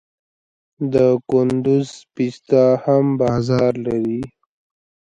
د کندز پسته هم بازار لري.